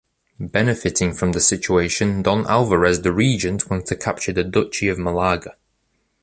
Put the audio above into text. Benefiting from the situation Don Alvarez the Regent wants to capture the Duchy of Malaga...